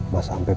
berapa lama ya